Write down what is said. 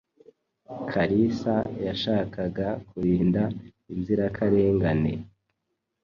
Kalisa yashakaga kurinda inzirakarengane.